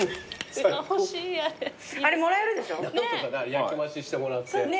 焼き増ししてもらって。